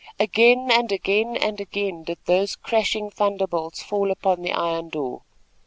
Again, and again, and again did those crashing thunder bolts fall upon the iron door.